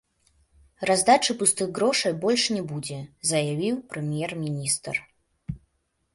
Раздачы пустых грошай больш не будзе, заявіў прэм'ер-міністр.